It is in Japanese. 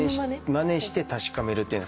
まねして確かめる。